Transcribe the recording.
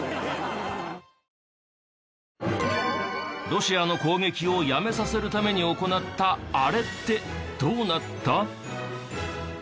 ロシアの攻撃をやめさせるために行ったあれってどうなった？